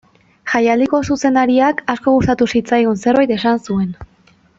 Jaialdiko zuzendariak asko gustatu zitzaigun zerbait esan zuen.